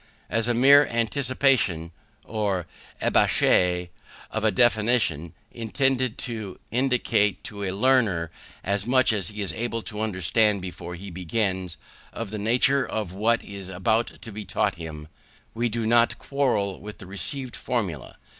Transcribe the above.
As a mere anticipation or ébauche of a definition, intended to indicate to a learner as much as he is able to understand before he begins, of the nature of what is about to be taught to him, we do not quarrel with the received formula.